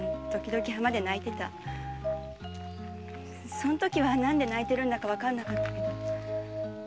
そのときは何で泣いてるのかわかんなかったけど。